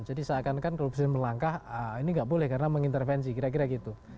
jadi seakan akan kalau presiden melangkah ini gak boleh karena mengintervensi kira kira gitu